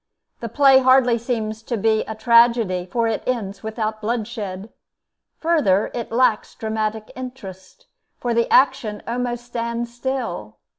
The play hardly seems to be a tragedy, for it ends without bloodshed. Further, it lacks dramatic interest, for the action almost stands still.